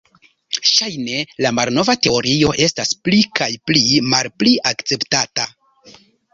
Ŝajne la malnova teorio estas pli kaj pli malpli akceptata.